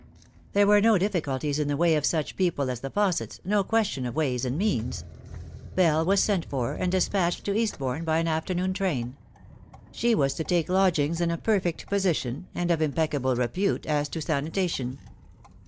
There were no difficulties in the way of such people as the Faussets, no question of ways and means. Bell was sent for, and despatched to Eastbourne by an afternoon train. She was to take lodgings in a perfect position, and of impeccable repute as to sanitation.